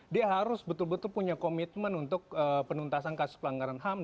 dia harus betul betul punya komitmen untuk penuntasan kasus pelanggaran ham